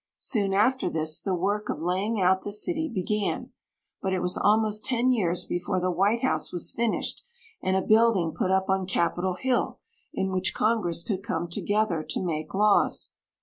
Soon after this the work of laying out the city began ; but it was almost ten years before the W^hite House was finished and a building put up on Capitol Hill in which Congress could come together to make laws.